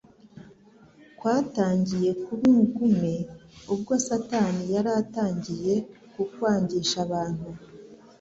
Kwatangiye kuba ingume, ubwo Satani yari atangiye kukwangisha abantu,